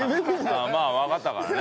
まあわかったからね。